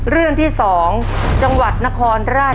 เรื่องโดราเอมอนครับ